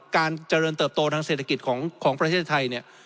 การเจริญเติบโตทางเศรษฐกิจของประเทศไทยเนี่ย